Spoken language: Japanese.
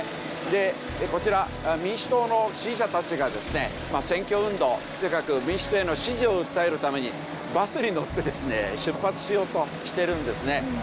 でこちら民主党の支持者たちがですね選挙運動とにかく民主党への支持を訴えるためにバスに乗ってですね出発しようとしてるんですね。